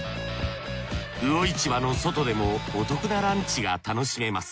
魚市場の外でもお得なランチが楽しめます。